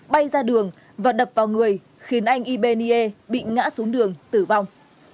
bay ra đường và đập vào người khiến anh ibie bị ngã xuống đường tử vong